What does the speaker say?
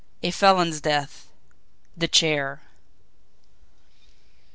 A felon's death the chair!